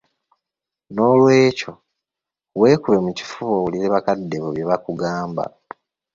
Noolwekyo weekube mu kifuba owulire bakadde bo bye bakugamba.